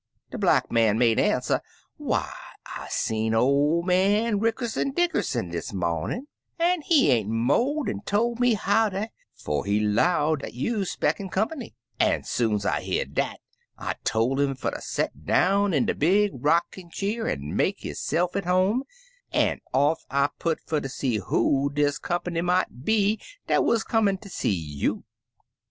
De Black Man make answer, 'Why, I seen ol' man Rick crson Dickerson dis momin', an' he ain't mo' dan tol' me howdy 'fo' he 'low dat you 'spectin' comp'ny, an' soon's I hear dat I tol' 'im fer ter set down in de big rockin' cheer an' make hisse'f at home, an' off I put fer ter see who dis comp'ny mought be dat wuz comin' ter see you.'